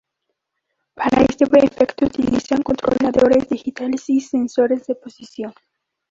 Para este efecto utilizan controladores digitales y sensores de posición.